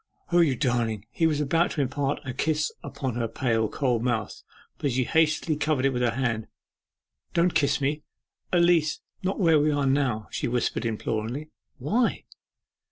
'O, you darling!' He was about to imprint a kiss upon her pale, cold mouth, but she hastily covered it with her hand. 'Don't kiss me at least where we are now!' she whispered imploringly. 'Why?